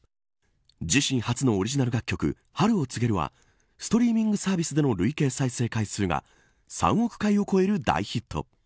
自身初のオリジナル楽曲春を告げるはストリーミングサービスの累計再生回数が３億回を超える大ヒット。